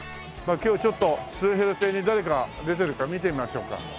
今日ちょっと末廣亭に誰が出てるか見てみましょうか。